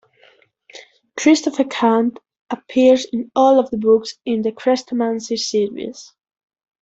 Christopher Chant appears in all of the books in the Chrestomanci series.